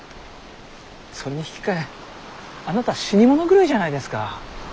それに引き換えあなた死に物狂いじゃないですか。